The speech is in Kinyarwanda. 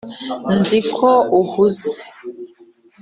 nzi ko uhuze.